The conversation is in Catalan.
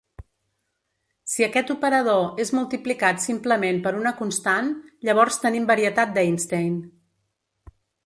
Si aquest operador és multiplicat simplement per una constant, llavors tenim varietat d'Einstein.